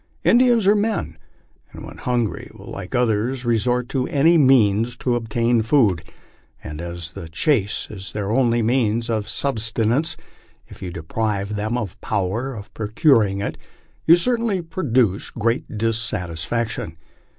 Indians are men, and when hungry will like others resort to any means to obtain food; and as the chase is their only means of subsistence, if you deprive them of the power of procuring it, you certainly produce great dissatisfaction.